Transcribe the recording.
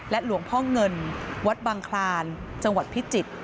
หลวงพ่อเงินวัดบังคลานจังหวัดพิจิตร